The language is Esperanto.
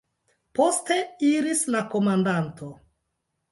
Poste iris la komandanto.